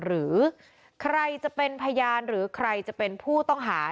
หรือใครจะเป็นพยานหรือใครจะเป็นผู้ต้องหา